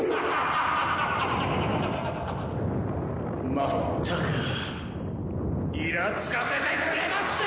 まったくイラつかせてくれますね！！